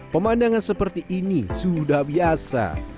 pemandangan seperti ini sudah biasa